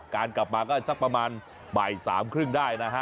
การกลับมาก็สักประมาณบ่ายสามครึ่งได้นะฮะ